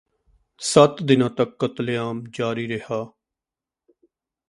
ਸੱਤ ਦਿਨਾਂ ਤੱਕ ਕਤਲੇਆਮ ਜਾਰੀ ਰਿਹਾ